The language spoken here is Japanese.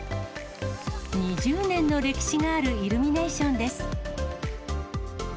２０年の歴史があるイルミネーションです。